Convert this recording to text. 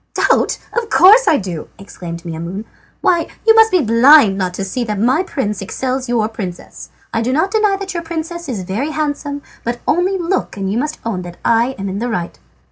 "Doubt! Of course I do!" exclaimed Maimoune. "Why, you must be blind not to see how much my prince excels your princess. I do not deny that your princess is very handsome, but only look and you must own that I am in the right."